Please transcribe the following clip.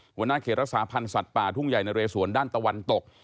หัวหน้าเขตรักษาพันธ์สัตว์ป่าทุ่งใหญ่นะเรสวนด้านตะวันตก